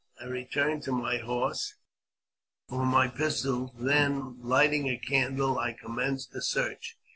I returned to my horse for my pistols, then, lighting a candle, I commenced a search.